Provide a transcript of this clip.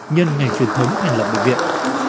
nhân ngày truyền thống hành lập bệnh viện